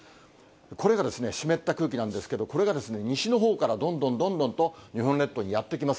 これが湿った空気なんですけれども、これがですね、西のほうからどんどんどんどんと、日本列島にやって来ます。